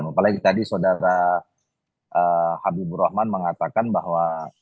apalagi tadi saudara habibur rahman mengatakan bahwa